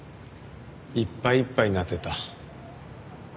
いっぱいいっぱいになってた。